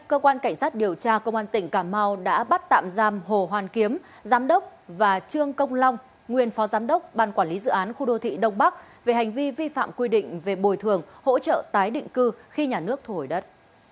cơ quan cảnh sát điều tra công an tỉnh cà mau đã bắt tạm giam hồ hoàn kiếm giám đốc và trương công long nguyên phó giám đốc ban quản lý dự án khu đô thị đông bắc về hành vi vi phạm quy định về bồi thường hỗ trợ tái định cư khi nhà nước thu hồi đất